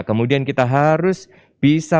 kemudian kita harus bisa